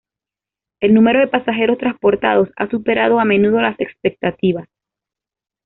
El número de pasajeros transportados ha superado a menudo las expectativas.